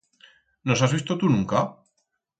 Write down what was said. Nos has visto tu nunca?